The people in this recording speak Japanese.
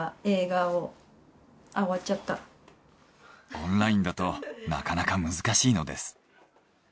オンラインだとなかなか難しいのです。